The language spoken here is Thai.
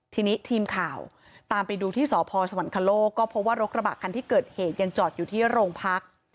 ทีนี้ทีมข่าวตามไปดูที่สพสวรรคโลกก็พบว่ารถกระบะคันที่เกิดเหตุยังจอดอยู่ที่โรงพัก